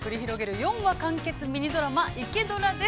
４話完結ミニドラマ「イケドラ」です。